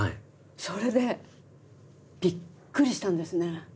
それでびっくりしたんですね。